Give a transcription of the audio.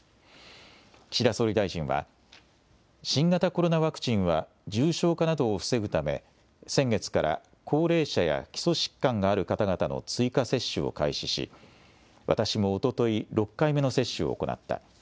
岸田総理大臣は、新型コロナワクチンは重症化などを防ぐため、先月から高齢者や基礎疾患がある方々の追加接種を開始し、私もおととい、６回目の接種を行った。